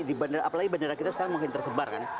di bandara apalagi bandara kita sekarang makin tersebar kan